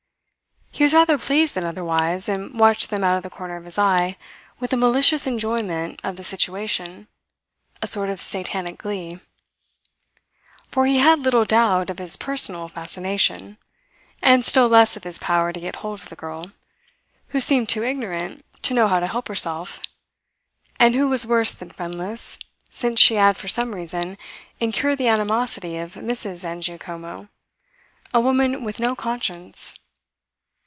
He was rather pleased than otherwise and watched them out of the corner of his eye with a malicious enjoyment of the situation a sort of Satanic glee. For he had little doubt of his personal fascination, and still less of his power to get hold of the girl, who seemed too ignorant to know how to help herself, and who was worse than friendless, since she had for some reason incurred the animosity of Mrs. Zangiacomo, a woman with no conscience.